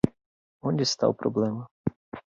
Onde está o problema?